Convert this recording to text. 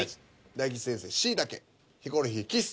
大吉先生「しいたけ」ヒコロヒー「キス」